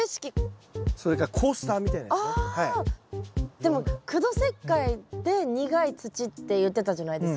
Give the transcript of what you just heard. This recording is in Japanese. でも苦土石灰って苦い土って言ってたじゃないですか。